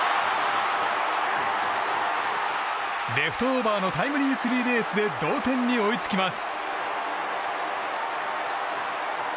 レフトオーバーのタイムリースリーベースで同点に追いつきます。